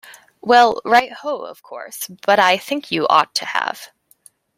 Well, right-ho, of course, but I think you ought to have.